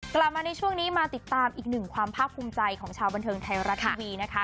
กลับมาในช่วงนี้มาติดตามอีกหนึ่งความภาคภูมิใจของชาวบันเทิงไทยรัฐทีวีนะคะ